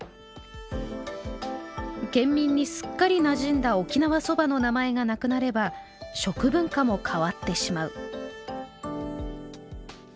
県民にすっかりなじんだ沖縄そばの名前がなくなれば食文化も変わってしまう。